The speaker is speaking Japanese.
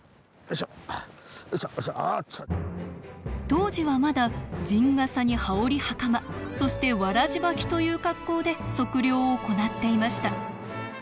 当時はまだ陣がさに羽織はかまそしてわらじ履きという格好で測量を行っていました。